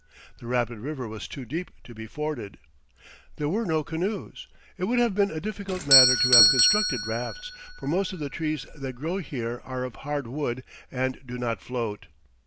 The rapid river was too deep to be forded. There were no canoes. It would have been a difficult matter to have constructed rafts, for most of the trees that grow here are of hard wood and do not float.